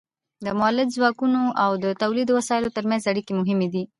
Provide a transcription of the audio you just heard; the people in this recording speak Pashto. د مؤلده ځواکونو او د تولید د وسایلو ترمنځ اړیکې مهمې دي.